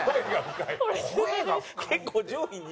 結構上位に。